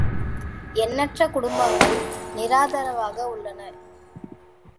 எண்ணற்ற குடும்பங்கள் நிராதரவாக உள்ளன.